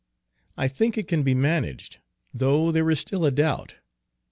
I think it can be managed, though there is still a doubt.